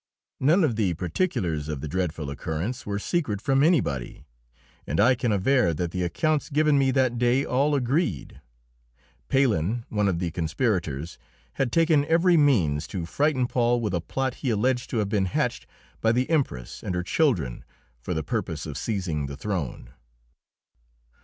None of the particulars of the dreadful occurrence were secret from anybody, and I can aver that the accounts given me that day all agreed. Palhen, one of the conspirators, had taken every means to frighten Paul with a plot he alleged to have been hatched by the Empress and her children for the purpose of seizing the throne.